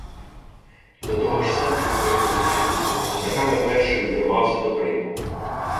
До того ж сам зі своїми відчайдушними козаками перший увірвався до Криму.